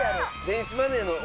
電子マネーの。